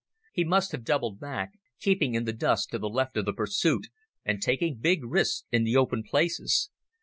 He must have doubled back, keeping in the dusk to the left of the pursuit, and taking big risks in the open places.